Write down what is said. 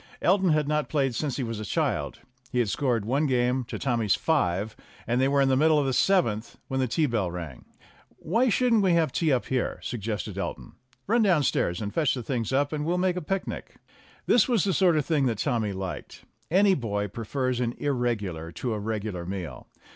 Elton had not played since he was a child. He had scored one game to Tommy's five, and they were in the middle of the seventh when the tea bell rang. "Why shouldn't we have tea up here?" suggested Elton. "Run downstairs and fetch the things up, and we'll make a picnic." This was the sort of thing that Tommy liked; any boy prefers an irregular to a regular meal.